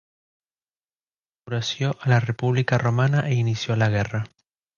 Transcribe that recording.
Esto enfureció a la República romana e inicio la guerra.